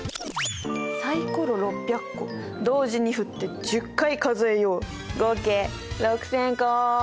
サイコロ６００個同時にふって１０回数えよう！合計６０００個。